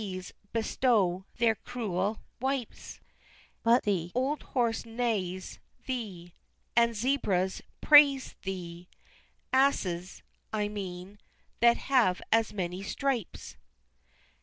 's bestow their cruel wipes; But the old horse neighs thee, And zebras praise thee, Asses, I mean that have as many stripes!